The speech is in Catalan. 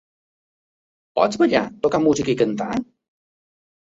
Pots ballar, tocar música i cantar?